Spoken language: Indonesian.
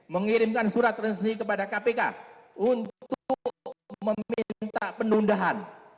mengirimkan surat resmi kepada kpk untuk meminta penundaan